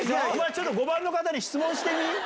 ちょっと５番の方に質問してみ？